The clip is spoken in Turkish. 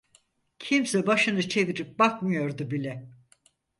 Kimse başını çevirip bakmıyordu bile.